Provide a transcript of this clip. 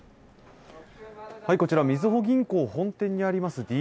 こちらはみずほ銀行本店にあります